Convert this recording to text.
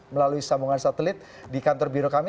melalui sambungan satelit di kantor biro kami